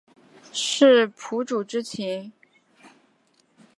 是主仆之情？